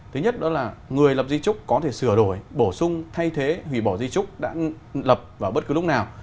thứ nhất đó là người lập di trúc có thể sửa đổi bổ sung thay thế hủy bỏ di trúc đã lập vào bất cứ lúc nào